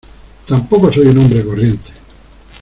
tampoco soy un hombre corriente.